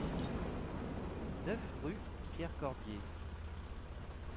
neuf rue Pierre Corbier